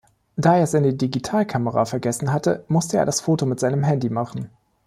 Da er seine Digitalkamera vergessen hatte, musste er das Foto mit seinem Handy machen.